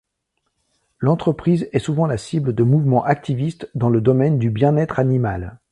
L'entreprise est souvent la cible de mouvements activistes dans le domaine du bien-être animal.